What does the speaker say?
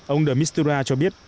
ông de mistura cho biết